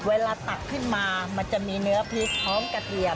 ตักขึ้นมามันจะมีเนื้อพริกพร้อมกระเทียม